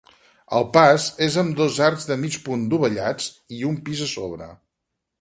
El pas és amb dos arcs de mig punt dovellats i un pis a sobre.